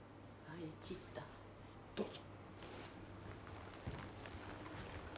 どうぞ。